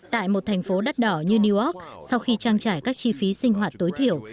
tại một thành phố đắt đỏ như newark sau khi trang trải các chi phí sinh hoạt tối thiểu